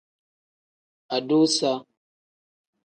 Adusa.